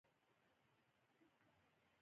د نورستان په برګ مټال کې د لیتیم نښې شته.